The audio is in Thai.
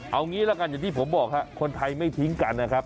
เอางี้ละกันอย่างที่ผมบอกฮะคนไทยไม่ทิ้งกันนะครับ